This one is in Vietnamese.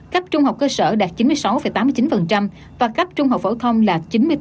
cấp trung học cơ sở đạt chín mươi sáu tám mươi chín và cấp trung học phổ thông là chín mươi tám chín mươi ba